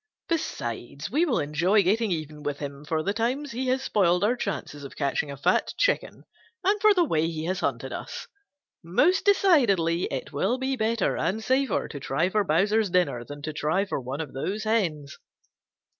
Besides, we will enjoy getting even with him for the times he has spoiled our chances of catching a fat chicken and for the way he has hunted us. Most decidedly it will be better and safer to try for Bowser's dinner than to try for one of those hens."